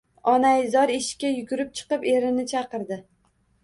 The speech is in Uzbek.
Onaizor eshikka yugurib chiqib, erini chaqirdi.